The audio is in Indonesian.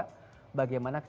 bagaimana cara kita menanggung